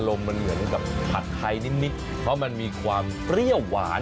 มันเหมือนกับผัดไทยนิดเพราะมันมีความเปรี้ยวหวาน